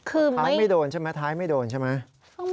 ถ่ายไม่โดนใช่ไหมถ่ายไม่โดนใช่ไหม